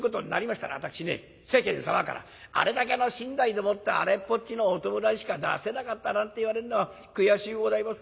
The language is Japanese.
私ね世間様からあれだけの身代でもってあれっぽっちのお葬式しか出せなかったなんて言われるのは悔しゅうございます。